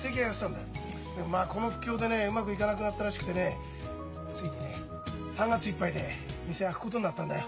でもまあこの不況でねうまくいかなくなったらしくてねついにね３月いっぱいで店空くことになったんだよ。